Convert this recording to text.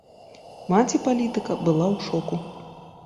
Маці палітыка была ў шоку.